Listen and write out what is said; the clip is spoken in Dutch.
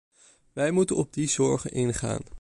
Wij moeten op die zorgen ingaan.